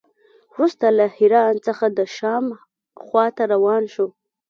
وروسته له حران څخه د شام خوا ته روان شو.